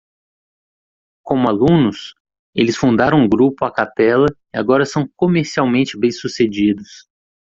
Como alunos?, eles fundaram um grupo a capella e agora são comercialmente bem-sucedidos.